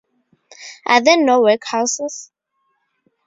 Are there no workhouses?